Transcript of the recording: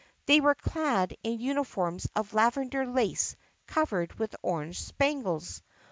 They were clad in uniforms of lavender lace covered with orange spangles.